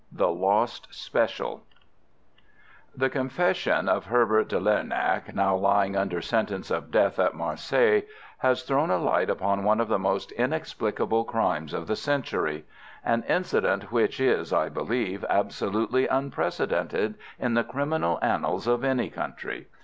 THE LOST SPECIAL The confession of Herbert de Lernac, now lying under sentence of death at Marseilles, has thrown a light upon one of the most inexplicable crimes of the century—an incident which is, I believe, absolutely unprecedented in the criminal annals of any country.